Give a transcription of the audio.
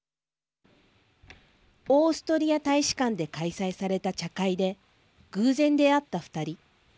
オーストリア大使館で開催された茶会で偶然出会った２人。